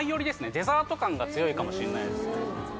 デザート感が強いかもしんないですね。